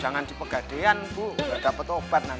jangan dipegadehan bu udah dapat obat nanti